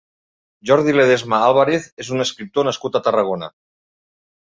Jordi Ledesma Álvarez és un escriptor nascut a Tarragona.